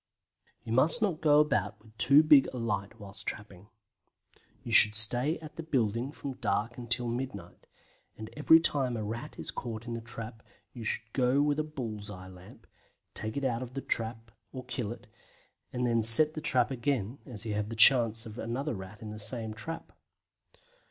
You must not go about with too big a light whilst trapping. You should stay at the building from dark until midnight, and every time a Rat is caught in the trap you should go with a bull's eye lamp, take it out of the trap or kill it, and then set the trap again, as you have the chance of another Rat in the same trap.